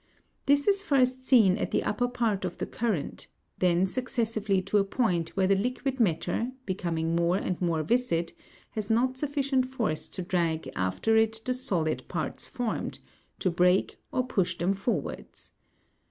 This is first seen at the upper part of the current, then successively to a point where the liquid matter, becoming more and more viscid, has not suffi cient force to drag after it the solid parts formed, to break or push them forwards.